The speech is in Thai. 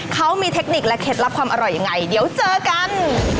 เขามีเทคนิคและเคล็ดลับความอร่อยยังไงเดี๋ยวเจอกัน